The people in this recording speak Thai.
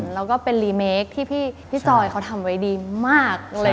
แล้วก็เป็นรีเมคที่พี่จอยเขาทำไว้ดีมากเลย